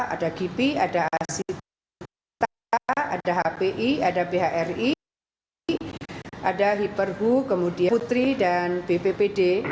ada kipi ada asita ada hpi ada bhri ada hiperhu kemudian putri dan bppd